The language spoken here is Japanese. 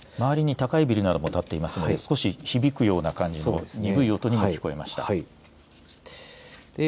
周りに高いビルなども建っていますので少し響くような感じの鈍い音にも聞こえました。